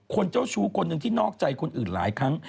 เจ้าชู้คนหนึ่งที่นอกใจคนอื่นหลายครั้ง